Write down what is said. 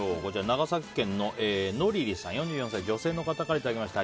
長崎県の４４歳、女性の方からいただきました。